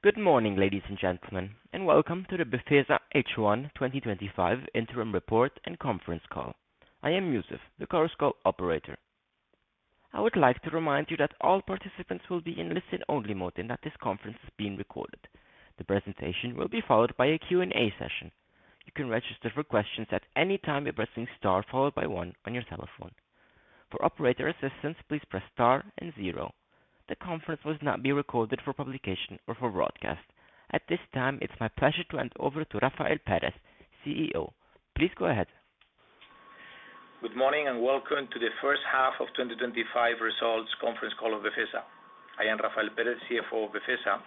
Good morning, ladies and gentlemen, and welcome to the Befesa H1 2025 interim report and conference call. I am Yusuf, the call is called Operator. I would like to remind you that all participants will be in listen-only mode and that this conference is being recorded. The presentation will be followed by a Q&A session. You can register for questions at any time by pressing star one on your telephone. For operator assistance, please press star and zero The conference will not be recorded for publication or for broadcast. At this time, it's my pleasure to hand over to Rafael Pérez, CEO. Please go ahead. Good morning and welcome to the first half of 2025 results conference call of Befesa. I am Rafael Pérez, CFO of Befesa,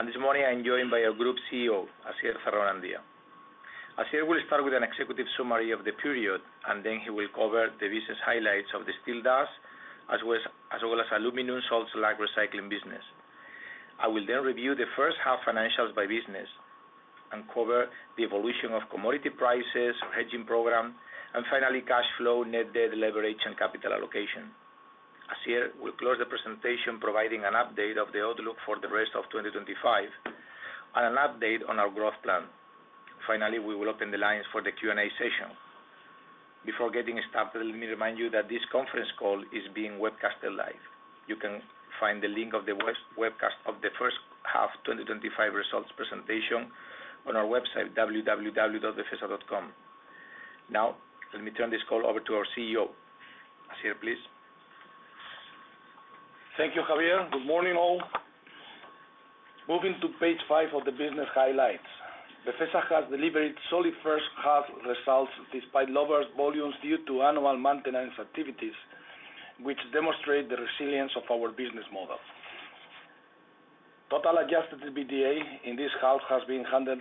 and this morning I am joined by our Group CEO, Asier Zarraonandia Ayo. Asier will start with an executive summary of the period, and then he will cover the business highlights of the steel dust, as well as aluminum salt slag recycling business. I will then review the first half financials by business and cover the evolution of commodity prices, hedging program, and finally cash flow, net debt leverage, and capital allocation. Asier will close the presentation providing an update of the outlook for the rest of 2025 and an update on our growth plan. Finally, we will open the lines for the Q&A session. Before getting started, let me remind you that this conference call is being webcast live. You can find the link of the webcast of the first half 2025 results presentation on our website, www.befesa.com. Now, let me turn this call over to our CEO, Asier, please. Thank you, Javier. Good morning all. Moving to page five of the business highlights, Befesa has delivered solid first-half results despite lower volumes due to annual maintenance activities, which demonstrate the resilience of our business model. Total adjusted EBITDA in this half has been 112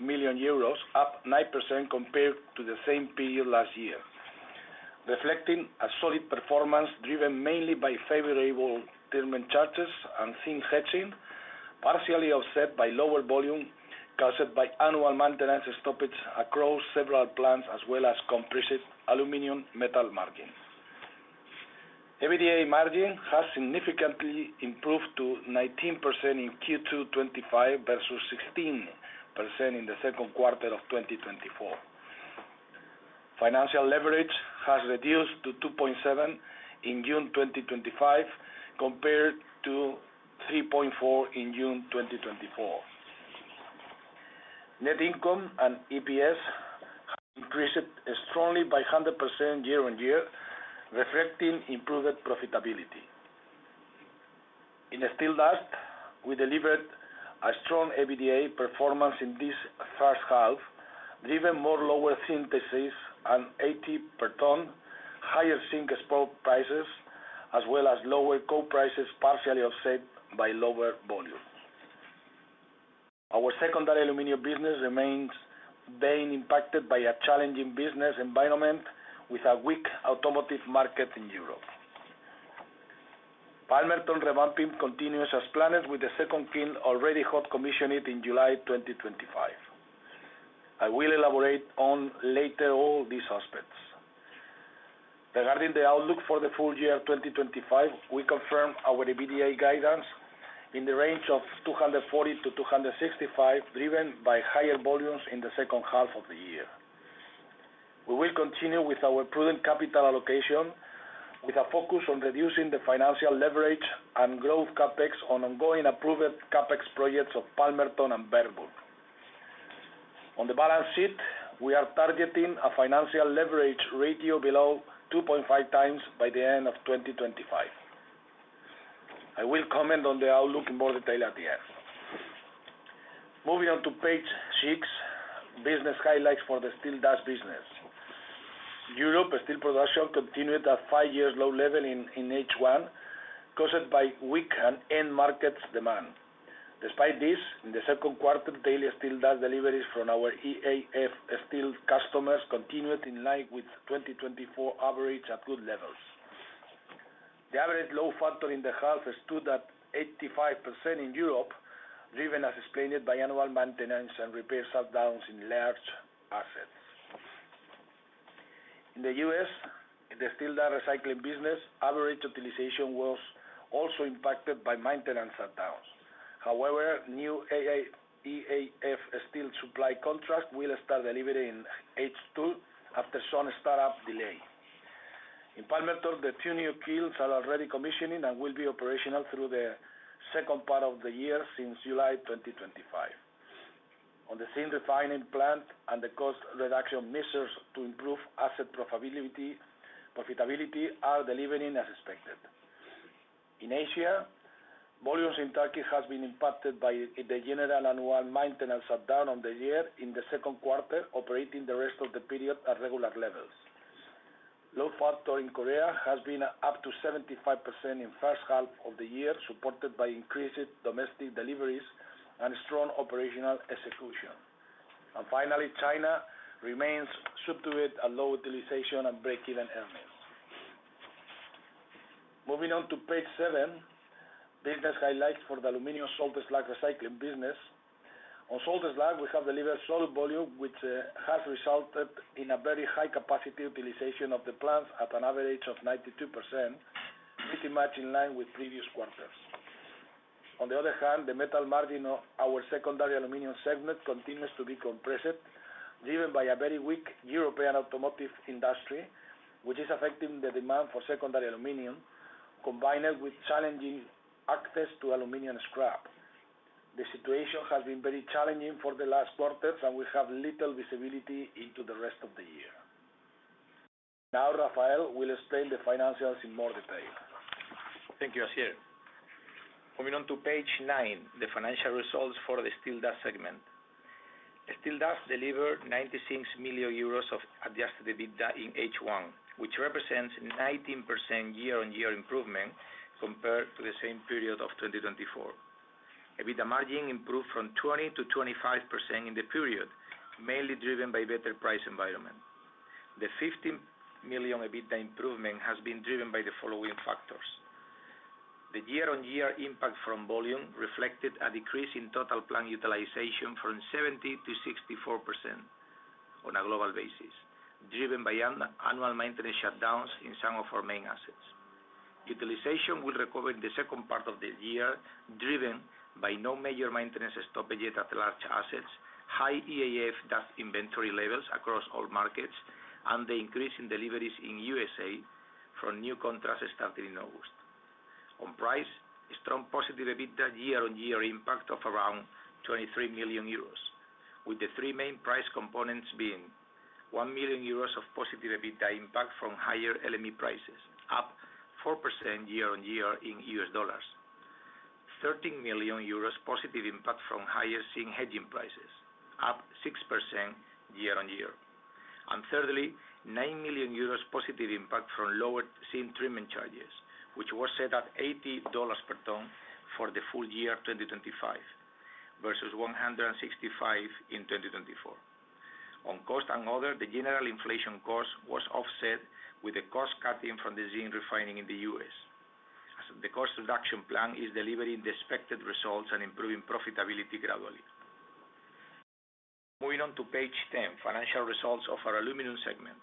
million euros, up 9% compared to the same period last year, reflecting a solid performance driven mainly by favorable treatment charges and zinc hedging, partially offset by lower volume caused by annual maintenance and stoppage across several plants as well as compressed aluminum metal margin. EBITDA margin has significantly improved to 19% in Q2 2025 versus 16% in the second quarter of 2024. Financial leverage has reduced to 2.7 in June 2025 compared to 3.4 in June 2024. Net income and EPS increased strongly by 100% year-on-year, reflecting improved profitability. In the steel dust, we delivered a strong EBITDA performance in this first half, driven by more lower zinc hedges and 80 per ton, higher zinc spot prices, as well as lower coke prices partially offset by lower volume. Our secondary aluminum business remains being impacted by a challenging business environment with a weak automotive market in Europe. Palmertonrevamping continues as planned with the second kiln already hot commissioned in July 2025. I will elaborate on later all these aspects. Regarding the outlook for the full year 2025, we confirm our EBITDA guidance in the range of 240 million to 265 million, driven by higher volumes in the second half of the year. We will continue with our prudent capital allocation with a focus on reducing the financial leverage and growth CapEx on ongoing approved CapEx projects of Palmerton and Bernburg. On the balance sheet, we are targeting a financial leverage ratio below 2.5x by the end of 2025. I will comment on the outlook in more detail at the end. Moving on to page six, business highlights for the steel dust business. Europe steel production continued at five-year low level in H1, caused by weak end market demand. Despite this, in the second quarter, daily steel dust deliveries from our EAF steel customers continued in line with 2024 average at good levels. The average load factor in the half stood at 85% in Europe, driven as explained by annual maintenance and repair shutdowns in large assets. In the U.S., in the steel dust recycling business, average utilization was also impacted by maintenance shutdowns. However, new EAF steel supply contracts will start delivery in H2 after some startup delay. In Palmerton, the two new kilns are already commissioning and will be operational through the second part of the year since July 2025. On the same refining plant, the cost reduction measures to improve asset profitability are delivering as expected. In Asia, volumes in Turkey have been impacted by the general annual maintenance shutdown of the year in the second quarter, operating the rest of the period at regular levels. Low factor in Korea has been up to 75% in the first half of the year, supported by increased domestic deliveries and strong operational execution. Finally, China remains subdued at low utilization and break-even earnings. Moving on to page seven, business highlights for the aluminum salt slag recycling business. On salt slag, we have delivered solid volume, which has resulted in a very high capacity utilization of the plants at an average of 92%, which is much in line with previous quarters. On the other hand, the metal margin of our secondary aluminum segment continues to be compressed, driven by a very weak European automotive industry, which is affecting the demand for secondary aluminum, combined with challenging access to aluminum scrap. The situation has been very challenging for the last quarter, and we have little visibility into the rest of the year. Now, Rafael will explain the financials in more detail. Thank you, Asier. Moving on to page nine, the financial results for the steel dust segment. Steel dust delivered 96 million euros of Adjusted EBITDA in H1, which represents 19% year-on-year improvement compared to the same period of 2024. EBITDA margin improved from 20% to 25% in the period, mainly driven by a better price environment. The 15 million EBITDA improvement has been driven by the following factors. The year-on-year impact from volume reflected a decrease in total plant utilization from 70% to 64% on a global basis, driven by annual maintenance shutdowns in some of our main assets. Utilization will recover in the second part of the year, driven by no major maintenance stoppage yet at large assets, high EAF dust inventory levels across all markets, and the increase in deliveries in the USA from new contracts starting in August. On price, strong positive EBITDA year-on-year impact of around 23 million euros, with the three main price components being 1 million euros of positive EBITDA impact from higher LME prices, up 4% year-on-year in U.S. dollars, 13 million euros positive impact from higher zinc hedging prices, up 6% year-on-year, and thirdly, 9 million euros positive impact from lower zinc treatment charges, which was set at $80 per ton for the full year 2025 versus $165 in 2024. On cost and other, the general inflation cost was offset with the cost cutting from the zinc refining in the U.S. The cost reduction plan is delivering the expected results and improving profitability gradually. Moving on to page 10, financial results of our aluminum segment.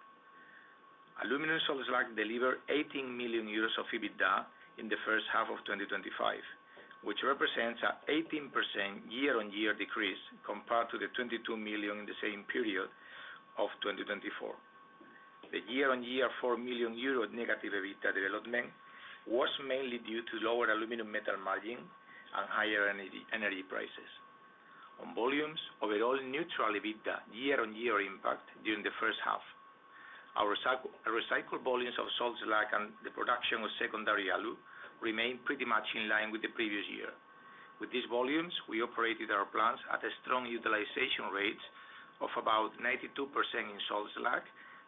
Aluminum salt slag delivered 18 million euros of EBITDA in the first half of 2025, which represents an 18% year-on-year decrease compared to the 22 million in the same period of 2024. The year-on-year 4 million euro negative EBITDA development was mainly due to lower aluminum metal margin and higher energy prices. On volumes, overall neutral EBITDA year-on-year impact during the first half. Our recycled volumes of salt slag and the production of secondary aluminum remain pretty much in line with the previous year. With these volumes, we operated our plants at a strong utilization rate of about 92% in salt slag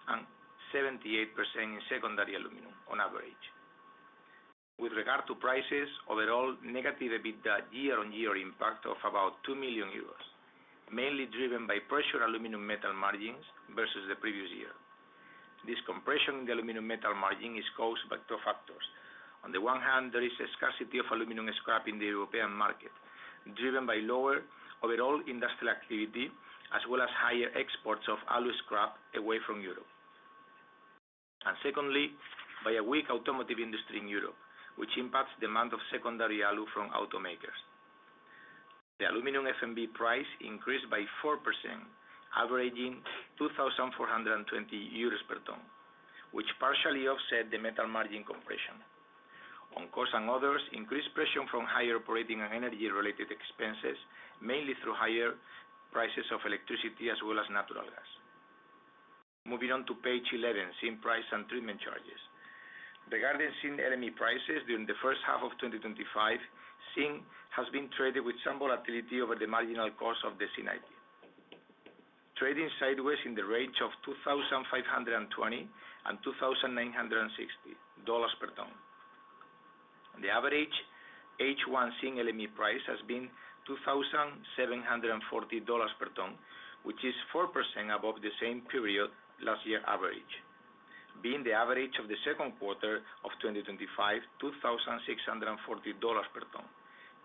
and 78% in secondary aluminum on average. With regard to prices, overall negative EBITDA year-on-year impact of about 2 million euros, mainly driven by pressure on aluminum metal margins versus the previous year. This compression in the aluminum metal margin is caused by two factors. On the one hand, there is a scarcity of aluminum scrap in the European market, driven by lower overall industrial activity, as well as higher exports of aluminum scrap away from Europe. Secondly, by a weak automotive industry in Europe, which impacts demand of secondary aluminum from automakers. The aluminum LME price increased by 4%, averaging 2,420 euros per ton, which partially offset the metal margin compression. On cost and others, increased pressure from higher operating and energy-related expenses, mainly through higher prices of electricity as well as natural gas. Moving on to page 11, zinc price and treatment charges. Regarding zinc LME prices during the first half of 2025, zinc has been traded with some volatility over the marginal cost of the Zinc IP, trading sideways in the range of $2,520 and $2,960 per ton. The average H1 zinc LME price has been $2,740 per ton, which is 4% above the same period last year's average, being the average of the second quarter of 2025, $2,640 per ton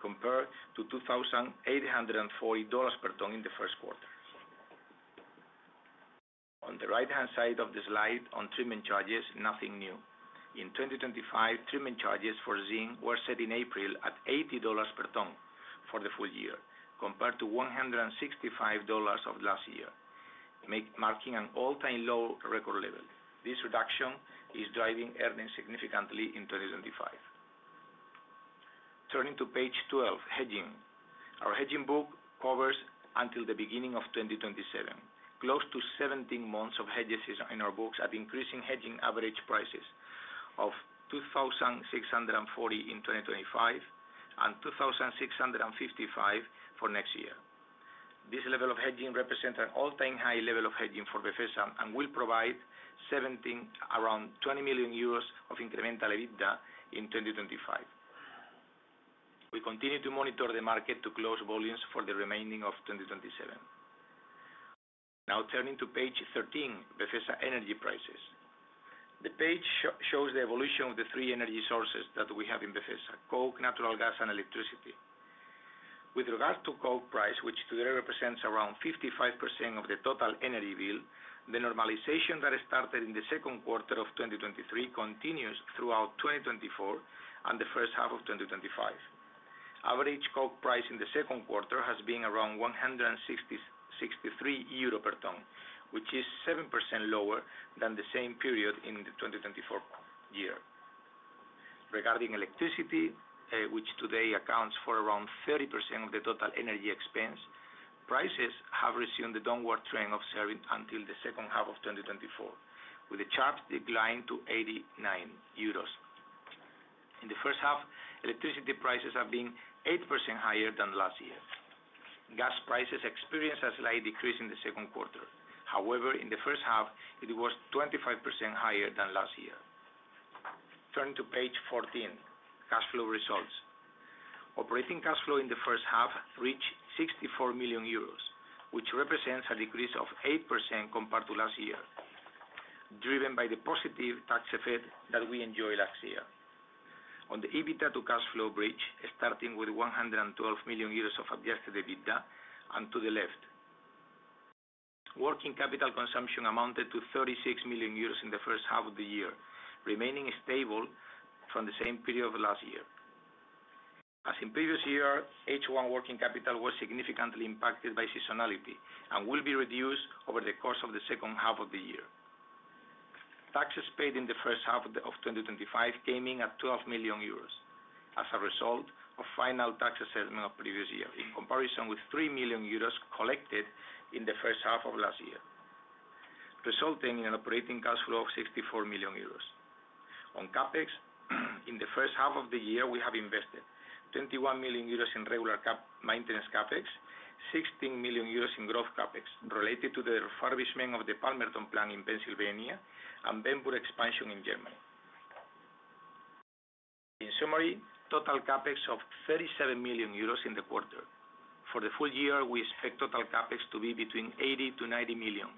compared to $2,840 per ton in the First Quarter. On the right-hand side of the slide, on treatment charges, nothing new. In 2025, treatment charges for zinc were set in April at $80 per ton for the full year compared to $165 of last year, marking an all-time low record level. This reduction is driving earnings significantly in 2025. Turning to page 12, hedging. Our hedging book covers until the beginning of 2027, close to 17 months of hedges in our books at increasing hedging average prices of $2,640 in 2025 and $2,655 for next year. This level of hedging represents an all-time high level of hedging for Befesa and will provide around 20 million euros of incremental EBITDA in 2025. We continue to monitor the market to close volumes for the remaining of 2027. Now turning to page 13, Befesa energy prices. The page shows the evolution of the three energy sources that we have in Befesa: coke, natural gas, and electricity. With regard to coke price, which today represents around 55% of the total energy bill, the normalization that started in the second quarter of 2023 continues throughout 2024 and the first half of 2025. Average coke price in the second quarter has been around 163 euro per ton, which is 7% lower than the same period in the 2024 year. Regarding electricity, which today accounts for around 30% of the total energy expense, prices have resumed the downward trend of serving until the second half of 2024, with the chart declining to 89 euros. In the first half, electricity prices have been 8% higher than last year. Gas prices experienced a slight decrease in the second quarter. However, in the first half, it was 25% higher than last year. Turning to page 14, cash flow results. Operating cash flow in the first half reached €64 million, which represents a decrease of 8% compared to last year, driven by the positive tax effect that we enjoyed last year. On the EBITDA to cash flow bridge, starting with 112 million euros of adjusted EBITDA and to the left, working capital consumption amounted to 36 million euros in the first half of the year, remaining stable from the same period of last year. As in the previous year, H1 working capital was significantly impacted by seasonality and will be reduced over the course of the second half of the year. Taxes paid in the first half of 2025 came in at 12 million euros as a result of the final tax assessment of the previous year, in comparison with 3 million euros collected in the first half of last year, resulting in an operating cash flow of 64 million euros. On CapEx, in the first half of the year, we have invested 21 million euros in regular maintenance CapEx, 16 million euros in growth CapEx related to the refurbishment of the Palmerton plant in Pennsylvania and Bernburg expansion in Germany. In summary, total CapEx of 37 million euros in the quarter. For the full year, we expect total CapEx to be between 80 million to 90 million.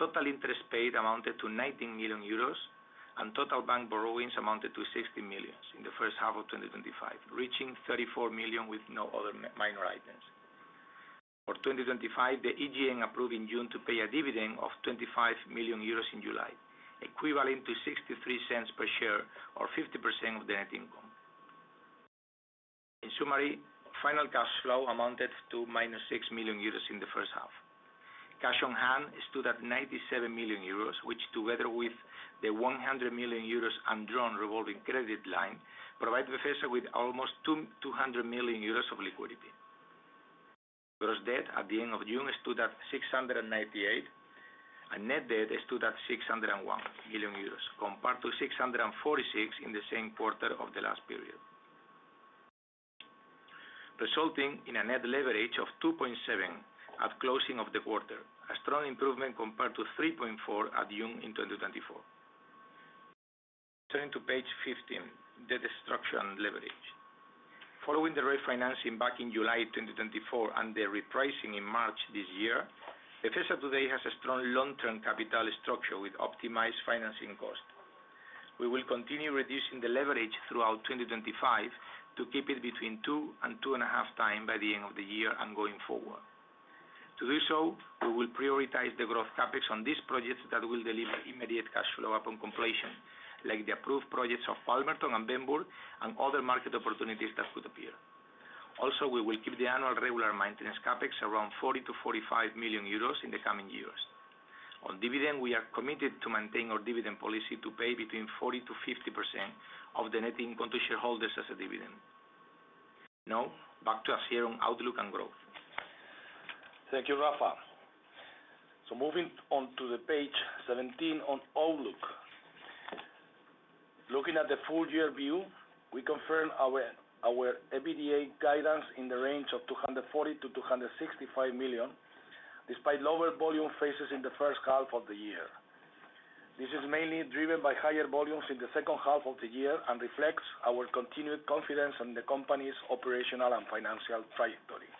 Total interest paid amounted to 19 million euros, and total bank borrowings amounted to 16 million in the first half of 2025, reaching 34 million with no other minor items. For 2025, the EGM approved in June to pay a dividend of 25 million euros in July, equivalent to 0.63 per share or 50% of the net income. In summary, final cash flow amounted to 6 million euros in the first half. Cash on hand stood at 97 million euros, which together with the 100 million euros undrawn revolving credit line provide Befesa with almost 200 million euros of liquidity. Gross debt at the end of June stood at 698 million, and net debt stood at 601 million euros compared to 646 million in the same quarter of the last period, resulting in a net leverage of 2.7 at the closing of the quarter, a strong improvement compared to 3.4 at June in 2024. Turning to page 15, debt structure and leverage. Following the refinancing back in July 2024 and the repricing in March this year, Befesa today has a strong long-term capital structure with optimized financing costs. We will continue reducing the leverage throughout 2025 to keep it between 2 and 2.5x by the end of the year and going forward. To do so, we will prioritize the growth CapEx on these projects that will deliver immediate cash flow upon completion, like the approved projects of Palmerton and Bernburg and other market opportunities that would appear. Also, we will keep the annual regular maintenance CapEx around 40 million to 45 million euros in the coming years. On dividend, we are committed to maintain our dividend policy to pay between 40% to 50% of the net income to shareholders as a dividend. Now, back to Asier on outlook and growth. Thank you, Rafa. Moving on to page 17 on outlook. Looking at the full year view, we confirm our EBITDA guidance in the range of 240 to 265 million, despite lower volume phases in the first half of the year. This is mainly driven by higher volumes in the second half of the year and reflects our continued confidence in the company's operational and financial trajectory.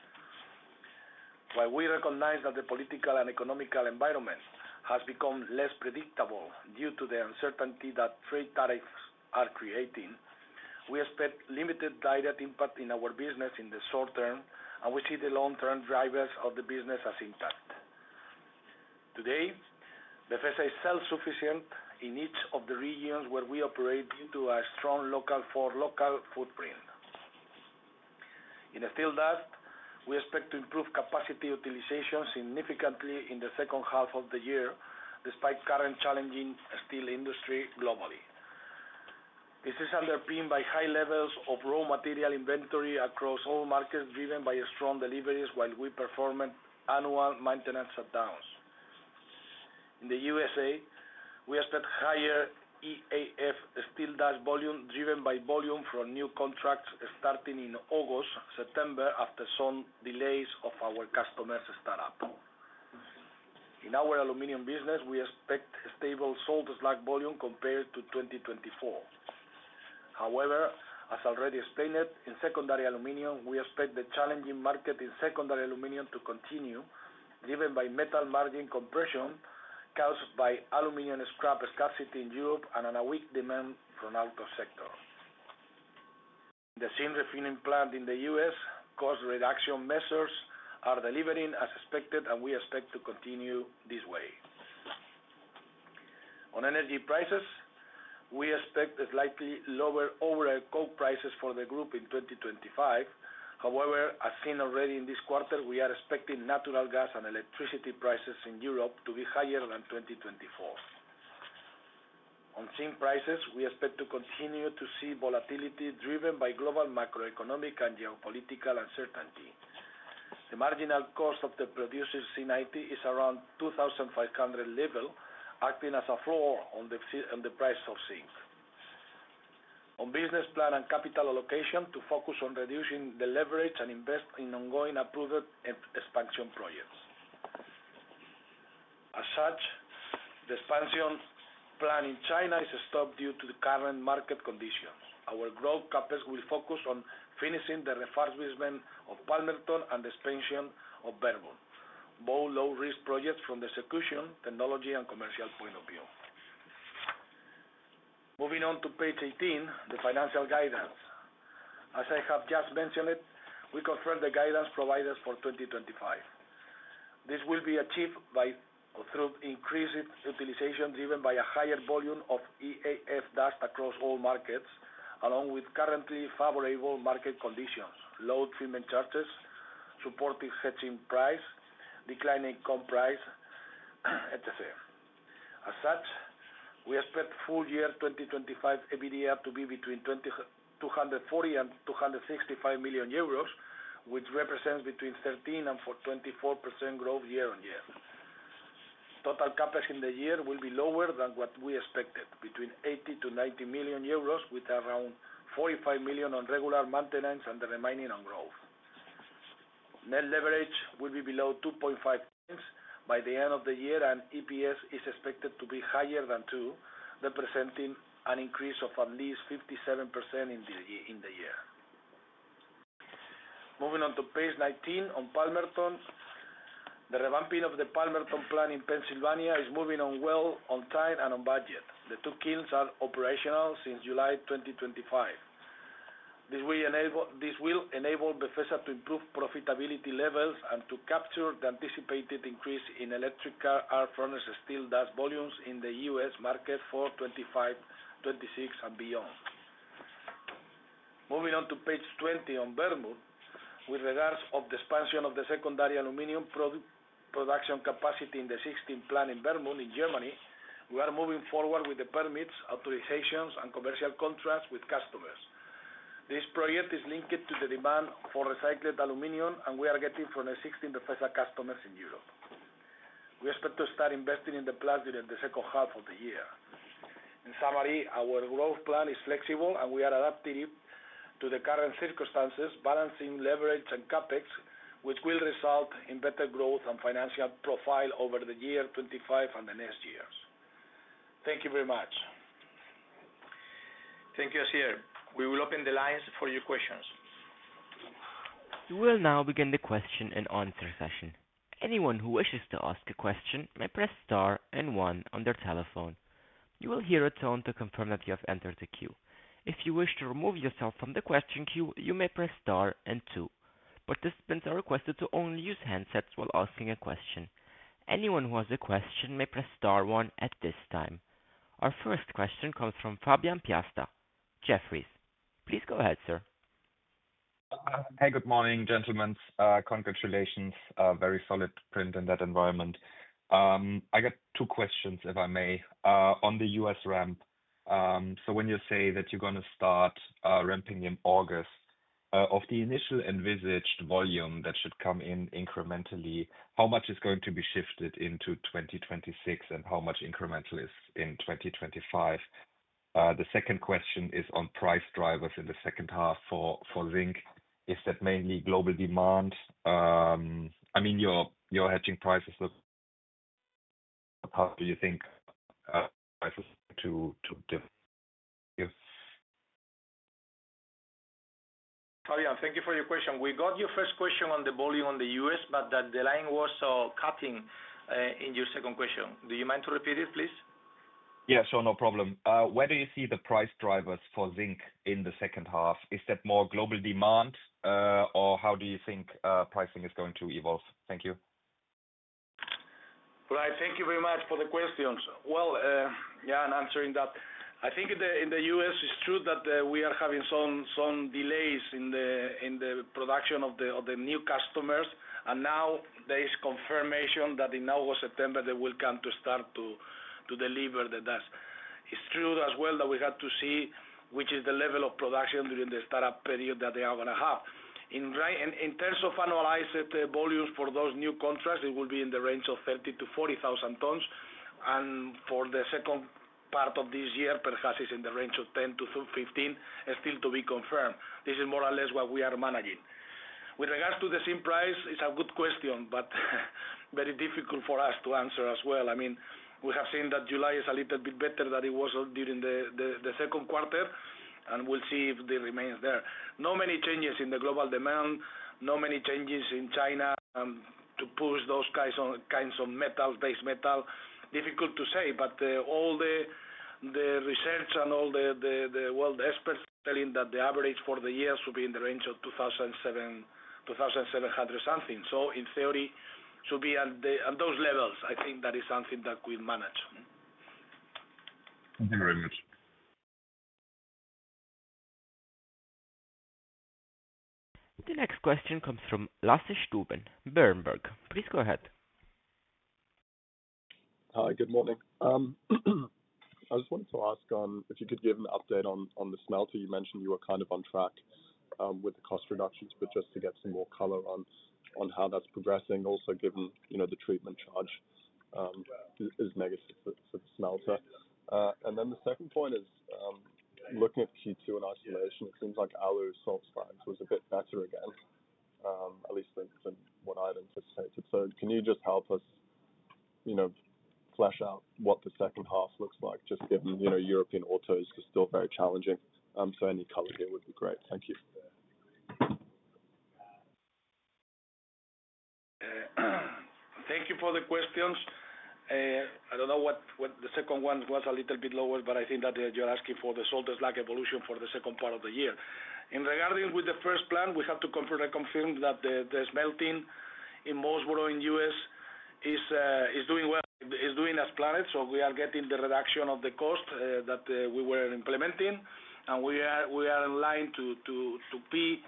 While we recognize that the political and economic environment has become less predictable due to the uncertainty that trade tariffs are creating, we expect limited direct impact in our business in the short term, and we see the long-term drivers of the business as impacted. Today, Befesa is self-sufficient in each of the regions where we operate due to a strong local footprint. In steel dust, we expect to improve capacity utilization significantly in the second half of the year, despite current challenges in the steel industry globally. This is underpinned by high levels of raw material inventory across all markets, driven by strong deliveries while we perform annual maintenance shutdowns. In the USA, we expect higher EAF steel dust volume driven by volume from new contracts starting in August, September, after some delays of our customers' startup. In our aluminum business, we expect stable salt slag volume compared to 2024. However, as already stated, in secondary aluminum, we expect the challenging market in secondary aluminum to continue, driven by metal margin compression caused by aluminum scrap scarcity in Europe and weak demand from the outdoor sector. The zinc refining plant in the U.S., cost reduction measures are delivering as expected, and we expect to continue this way. On energy prices, we expect slightly lower overall coke prices for the group in 2025. However, as seen already in this quarter, we are expecting natural gas and electricity prices in Europe to be higher than 2024. On zinc prices, we expect to continue to see volatility driven by global macroeconomic and geopolitical uncertainty. The marginal cost of the producer Zinc IP is around the 2,500 level, acting as a floor on the price of zinc. On business plan and capital allocation, we focus on reducing the leverage and invest in ongoing approved expansion projects. As such, the expansion plan in China is stopped due to the current market conditions. Our growth CapEx will focus on finishing the refurbishment of Palmerton and the expansion of Bernburg, both low-risk projects from the execution, technology, and commercial point of view. Moving on to page 18, the financial guidance. As I have just mentioned, we confirm the guidance provided for 2025. This will be achieved through increased utilization driven by a higher volume of EAF dust across all markets, along with currently favorable market conditions, low treatment charges, supportive hedging price, declining comp price, etcetera. As such, we expect full year 2025 EBITDA to be between 240 million and 265 million euros, which represents between 13% and 24% growth year-on-year. Total CapEx in the year will be lower than what we expected, between 80 million to 90 million euros, with around 45 million on regular maintenance and the remaining on growth. Net leverage will be below 2.5x by the end of the year, and EPS is expected to be higher than 2, representing an increase of at least 57% in the year. Moving on to page 19 on Palmerton, the revamping of the Palmerton plant in Pennsylvania is moving on well, on time, and on budget. The two kilns are operational since July 2025. This will enable Befesa to improve profitability levels and to capture the anticipated increase in electric car, arm, furniture, steel dust volumes in the U.S. market for 2025, 2026, and beyond. Moving on to page 20 on Bernburg, with regards to the expansion of the secondary aluminum production capacity in the 16th plant in Bernburg in Germany, we are moving forward with the permits, authorizations, and commercial contracts with customers. This project is linked to the demand for recycled aluminum, and we are getting from the 16th Befesa customers in Europe. We expect to start investing in the plant during the second half of the year. In summary, our growth plan is flexible, and we are adapting it to the current circumstances, balancing leverage and CapEx which will result in better growth and financial profile over the year 2025 and the next years. Thank you very much. Thank you, Asier. We will open the lines for your questions. We will now begin the question and answer session. Anyone who wishes to ask a question may press star and one on their telephone. You will hear a tone to confirm that you have entered the queue. If you wish to remove yourself from the question queue, you may press star and two. Participants are requested to only use handsets while asking a question. Anyone who has a question may press star one at this time. Our first question comes from Fabian Piasta, Jefferies. Please go ahead, sir. Hey, good morning, gentlemen. Congratulations. Very solid print in that environment. I got two questions, if I may. On the U.S. ramp, when you say that you're going to start ramping in August, of the initial envisaged volume that should come in incrementally, how much is going to be shifted into 2026 and how much incremental is in 2025? The second question is on price drivers in the second half for zinc. Is that mainly global demand? I mean, your hedging prices, how do you think prices to... Fabian, thank you for your question. We got your first question on the volume in the US, but the line was cutting in your second question. Do you mind to repeat it, please? Yeah, sure, no problem. Where do you see the price drivers for zinc in the second half? Is that more global demand, or how do you think pricing is going to evolve? Thank you. Right, thank you very much for the questions. In answering that, I think in the U.S., it's true that we are having some delays in the production of the new customers, and now there is confirmation that in August, September, they will come to start to deliver the dust. It's true as well that we have to see which is the level of production during the startup period that they are going to have. In terms of analyzed volumes for those new contracts, it will be in the range of 30,000 to 40,000 tons, and for the second part of this year, perhaps it's in the range of 10,000 to 15,000, still to be confirmed. This is more or less what we are managing. With regards to the zinc price, it's a good question, but very difficult for us to answer as well. I mean, we have seen that July is a little bit better than it was during the Second Quarter, and we'll see if it remains there. Not many changes in the global demand, not many changes in China to push those kinds of metals, base metal, difficult to say, but all the research and all the world experts telling that the average for the year should be in the range of 2,700 something. In theory, it should be at those levels. I think that is something that we manage. Thank you very much. The next question comes from Lasse Stuben, Berenberg. Please go ahead. Hi, good morning. I just wanted to ask if you could give an update on the smelter. You mentioned you were kind of on track with the cost reductions, just to get some more color on how that's progressing, also given the treatment charge is negative for the smelter. The second point is looking at Q2 in isolation, it seems like aluminum salt slag was a bit better again, at least than what I had anticipated. Can you just help us flesh out what the second half looks like? In European autos, it's still very challenging. Any color here would be great. Thank you. Thank you for the questions. I don't know what the second one was a little bit lower, but I think that you're asking for the salt slag evolution for the second part of the year. In regarding with the first plan, we have to confirm that the smelting in Palmerton in the U.S. is doing well, is doing as planned. We are getting the reduction of the cost that we were implementing, and we are in line to be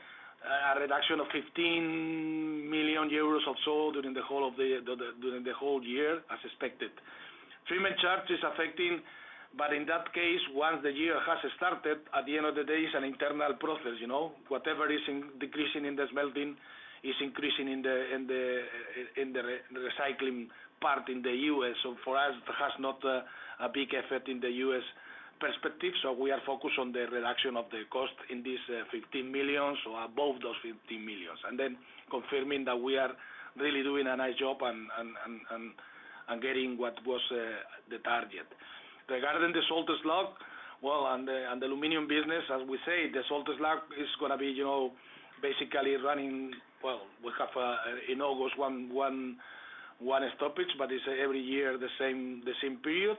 a reduction of 15 million euros of salt during the whole year as expected. Treatment charge is affecting, but in that case, once the year has started, at the end of the day, it's an internal process. You know, whatever is decreasing in the smelting is increasing in the recycling part in the U.S. For us, it has not a big effect in the U.S. perspective. We are focused on the reduction of the cost in this 15 million, so above those 15 million. Then confirming that we are really doing a nice job and getting what was the target. Regarding the salt slag, and the aluminum business, as we say, the salt slag is going to be, you know, basically running. We have in August one stoppage, but it's every year the same period.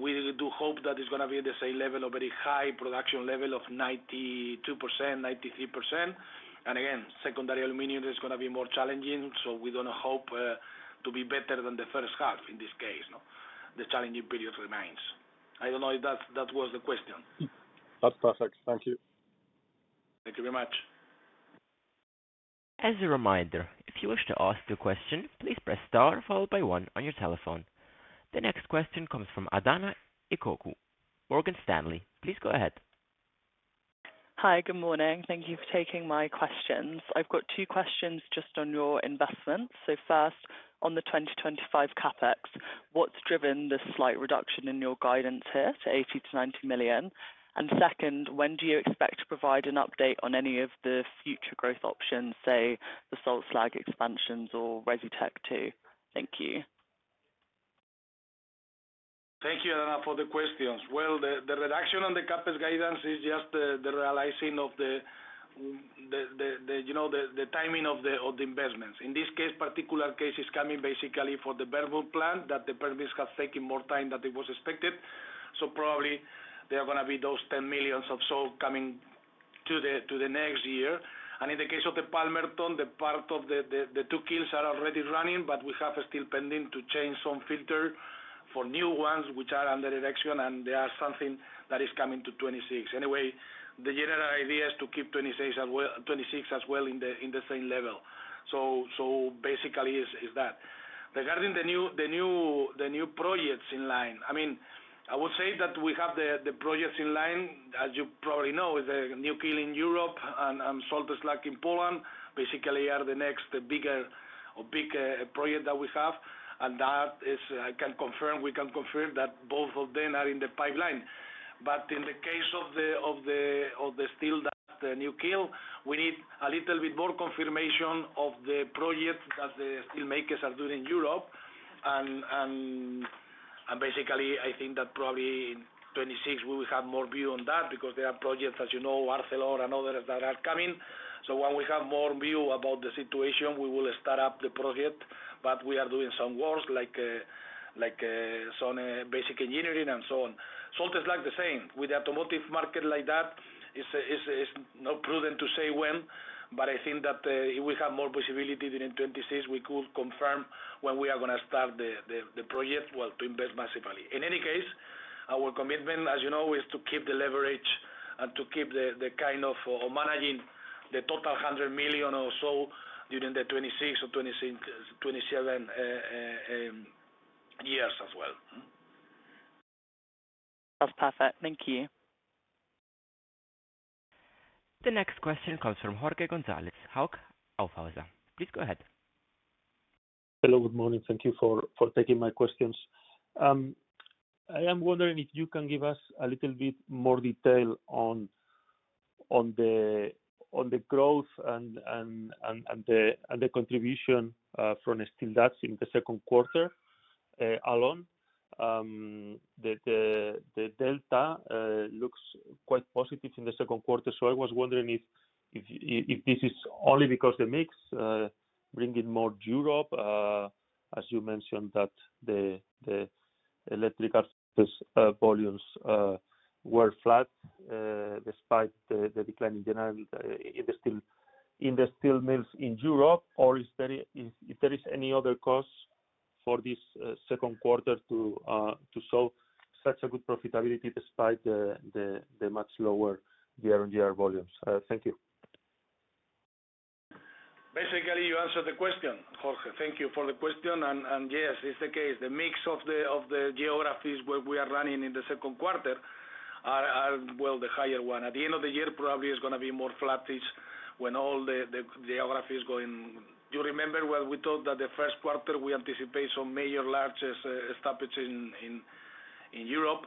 We do hope that it's going to be at the same level of a very high production level of 92%, 93%. Again, secondary aluminum is going to be more challenging. We don't hope to be better than the first half in this case. The challenging period remains. I don't know if that was the question. That's perfect. Thank you. Thank you very much. As a reminder, if you wish to ask your question, please press star followed by one on your telephone. The next question comes from Adahna Ikoku, Morgan Stanley. Please go ahead. Hi, good morning. Thank you for taking my questions. I've got two questions just on your investments. First, on the 2025 CapEx what's driven the slight reduction in your guidance here to 80 to 90 million? Second, when do you expect to provide an update on any of the future growth options, say the salt slag expansions or RevTech II? Thank you. Thank you, Adahna, for the questions. The reduction on the CapEx guidance is just the realizing of the timing of the investments. In this case, particular cases coming basically for the Bernburg plant that the permits have taken more time than it was expected. Probably there are going to be those 10 million of salt coming to the next year. In the case of the Palmerton, the part of the two kilns are already running, but we have still pending to change some filter for new ones which are under erection, and there are something that is coming to 2026. Anyway, the general idea is to keep 2026 as well in the same level. Basically, it's that. Regarding the new projects in line, I mean, I would say that we have the projects in line, as you probably know, is the new kiln in Europe and salt slag in Poland basically are the next bigger or big project that we have. That is, I can confirm, we can confirm that both of them are in the pipeline. In the case of the steel dust, the new kiln, we need a little bit more confirmation of the projects that the steelmakers are doing in Europe. Basically, I think that probably in 2026, we will have more view on that because there are projects, as you know, ArcelorMittal and others that are coming. When we have more view about the situation, we will start up the project. We are doing some work, like some basic engineering and so on. Salt slag, the same. With the automotive market like that, it's not prudent to say when, but I think that if we have more visibility during 2026, we could confirm when we are going to start the project, well, to invest massively. In any case, our commitment, as you know, is to keep the leverage and to keep the kind of managing the total 100 million or so during the 2026 or 2027 years as well. That's perfect. Thank you. The next question comes from Jorge González, Hauck & Aufhäuser. Please go ahead. Hello, good morning. Thank you for taking my questions. I am wondering if you can give us a little bit more detail on the growth and the contribution from the steel dust in the second quarter alone. The delta looks quite positive in the second quarter. I was wondering if this is only because the mix brings in more Europe, as you mentioned that the electrical volumes were flat despite the decline in general in the steel mills in Europe, or if there is any other cause for this second quarter to show such a good profitability despite the much lower year-on-year volumes. Thank you. Basically, you answered the question, Jorge. Thank you for the question. Yes, it's the case. The mix of the geographies where we are running in the second quarter are the higher one. At the end of the year, probably it's going to be more flat fish when all the geographies go in. You remember, we thought that the first quarter we anticipate some major large stoppage in Europe.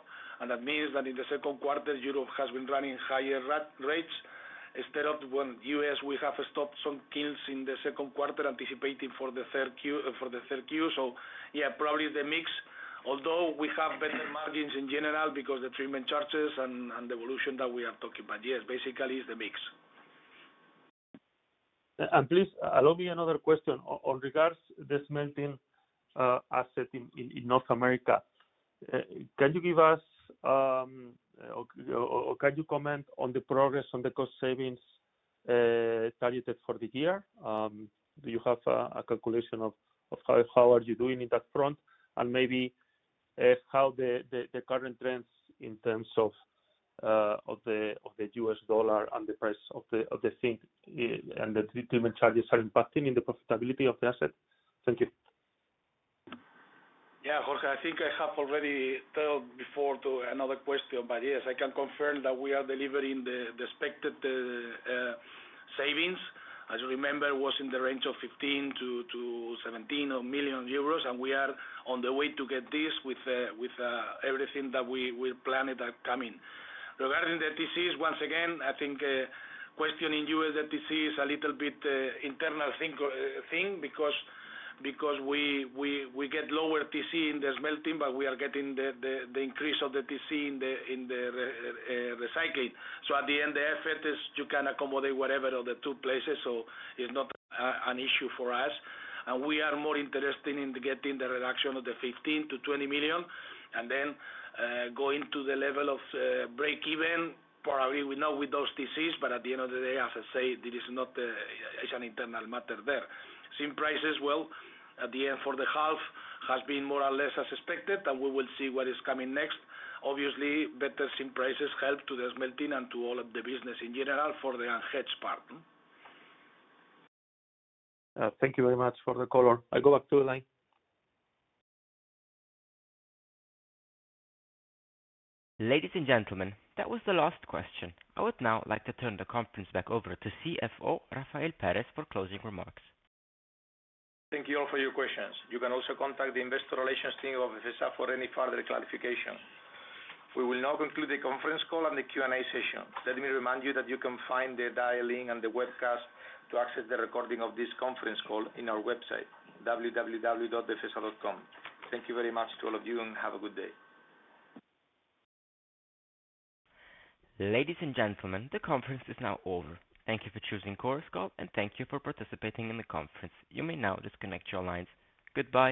That means that in the second quarter, Europe has been running higher rates instead of when the U.S. We have stopped some kilns in the second quarter anticipating for the third queue. Yeah, probably the mix. Although we have better margins in general because of the treatment charges and the evolution that we are talking about. Yes, basically, it's the mix. Please allow me another question in regards to the smelting asset in North America. Can you give us or can you comment on the progress on the cost savings targeted for the year? Do you have a calculation of how you are doing in that front? Maybe how the current trends in terms of the U.S. dollar and the price of zinc and the treatment charges are impacting the profitability of the asset? Thank you. Yeah, Jorge, I think I have already turned before to another question, but yes, I can confirm that we are delivering the expected savings. As you remember, it was in the range of 15 million to 17 million euros, and we are on the way to get this with everything that we planned coming. Regarding the TCs, once again, I think questioning U.S. TCs is a little bit an internal thing because we get lower TC in the smelting, but we are getting the increase of the TC in the recycling. At the end, the effort is you can accommodate whatever of the two places. It's not an issue for us. We are more interested in getting the reduction of the 15 million to 20 million and then going to the level of break-even. Probably we know with those TCs, but at the end of the day, as I say, it's an internal matter there. Zinc prices, at the end for the half has been more or less as expected, and we will see what is coming next. Obviously, better zinc prices help to the smelting and to all of the business in general for the hedge part. Thank you very much for the color. I'll go back to the line. Ladies and gentlemen, that was the last question. I would now like to turn the conference back over to CFO Rafael Pérez for closing remarks. Thank you all for your questions. You can also contact the Investor Relations team of Befesa for any further clarification. We will now conclude the conference call and the Q&A session. Let me remind you that you can find the dial-in and the webcast to access the recording of this conference call on our website, www.befesa.com. Thank you very much to all of you, and have a good day. Ladies and gentlemen, the conference is now over. Thank you for choosing Chorus Call, and thank you for participating in the conference. You may now disconnect your lines. Goodbye.